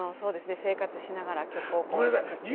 生活しながら曲を作ってく。